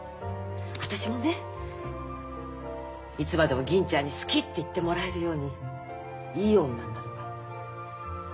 私もねいつまでも銀ちゃんに好きって言ってもらえるようにいい女になるわ。